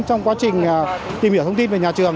trong quá trình tìm hiểu thông tin về nhà trường